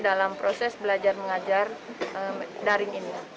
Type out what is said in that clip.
dalam proses belajar mengajar daring ini